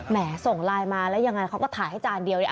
ส่งไลน์มาแล้วยังไงเขาก็ถ่ายให้จานเดียวเลย